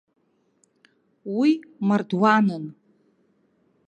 Уи мардуанын.